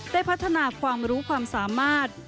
ได้พัฒนาความรู้ความสามารถ